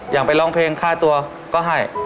อย่างไปร้องเพลงค่าตัวก็ให้